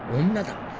女だ。